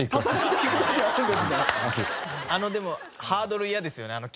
でもハードル嫌ですよね。